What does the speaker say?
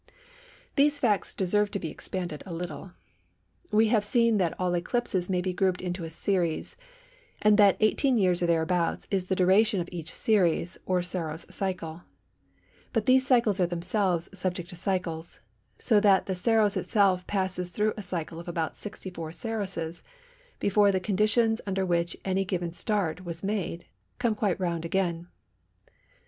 These facts deserve to be expanded a little. We have seen that all eclipses may be grouped in a series, and that 18 years or thereabouts is the duration of each series, or Saros cycle. But these cycles are themselves subject to cycles, so that the Saros itself passes through a cycle of about 64 Saroses before the conditions under which any given start was made, come quite round again.